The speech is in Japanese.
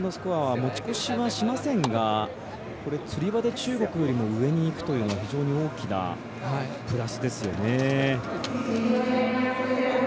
持ち越しはしませんがつり輪で中国より上にいくというのは非常に大きなプラスですよね。